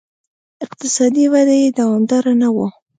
اقتصادي وده یې دوامداره نه وه